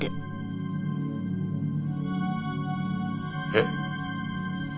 えっ？